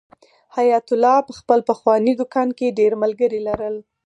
حیات الله په خپل پخواني دوکان کې ډېر ملګري لرل.